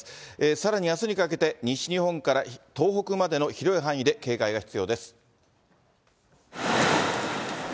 さらにあすにかけて、西日本から東北までの広い範囲で警戒が必要です。